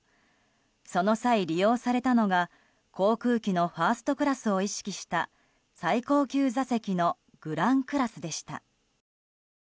その際、利用されたのが航空機のファーストクラスを意識した最高級座席のグランクラスでした。